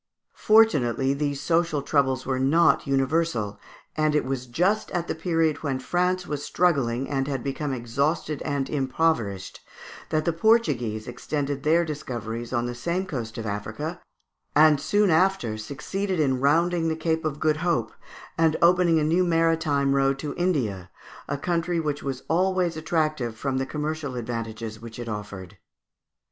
Fortunately these social troubles were not universal, and it was just at the period when France was struggling and had become exhausted and impoverished that the Portuguese extended their discoveries on the same coast of Africa, and soon after succeeded in rounding the Cape of Good Hope, and opening a new maritime road to India, a country which was always attractive from the commercial advantages which it offered.